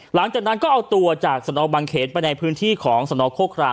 หลังจากนั้นก็เอาตัวจากสนบังเขนไปในพื้นที่ของสนโคคราม